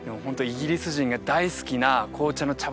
イギリス人が大好きな紅茶の茶